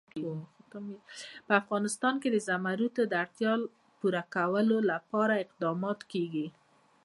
په افغانستان کې د زمرد د اړتیاوو پوره کولو لپاره اقدامات کېږي.